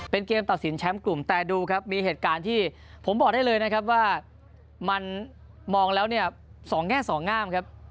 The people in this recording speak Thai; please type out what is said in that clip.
เป็นเกมตัดสินแชมป์กลุ่มแต่ดูครับมีเหตุการณ์ที่ผมบอกได้เลยนะครับว่ามันมองแล้วเนี่ยสองแง่สองงามครับ